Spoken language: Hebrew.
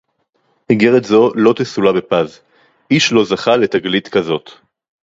אִגֶּרֶת זוֹ לֹא תְּסֻלָּא בַּפָּז. אִישׁ לֹא זָכָה לְתַגְלִית כָּזֹאת.